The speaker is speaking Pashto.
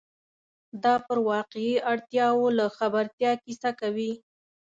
دا پر واقعي اړتیاوو له خبرتیا کیسه کوي.